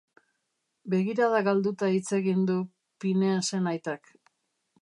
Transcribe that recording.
Begirada galduta hitz egin du Phineasen aitak.